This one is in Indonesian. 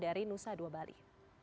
dari nusa dua bali